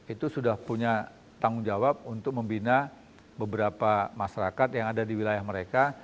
itu sudah punya tanggung jawab untuk membina beberapa masyarakat yang ada di wilayah mereka